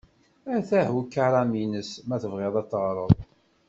Atah ukaram-ines ma tebɣiḍ a t-teɣreḍ.